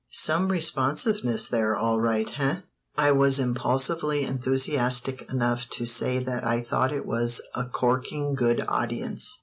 Some responsiveness there, all right, eh?" I was impulsively enthusiastic enough to say that I thought it was a "corking good audience."